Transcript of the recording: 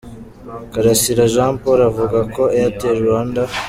Karasira Jean Paul avuga ko Airtel Rwanda.